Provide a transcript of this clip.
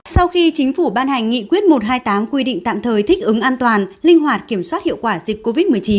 sau khi chính phủ ban hành nghị quyết một trăm hai mươi tám quy định tạm thời thích ứng an toàn linh hoạt kiểm soát hiệu quả dịch covid một mươi chín